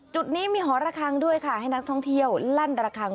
จุดนี้มีหอระคังด้วยค่ะให้นักท่องเที่ยวลั่นระคัง